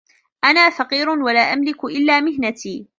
أنا فقير و لا أملك إلاّ مهنتي.